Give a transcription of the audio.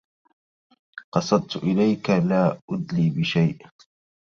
قصدت إليك لا أدلي بشيء